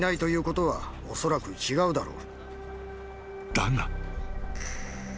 ［だが］